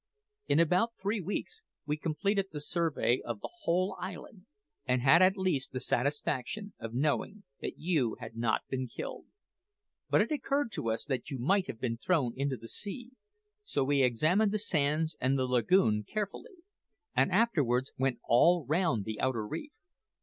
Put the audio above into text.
In about three weeks we completed the survey of the whole island, and had at least the satisfaction of knowing that you had not been killed. But it occurred to us that you might have been thrown into the sea; so we examined the sands and the lagoon carefully, and afterwards went all round the outer reef.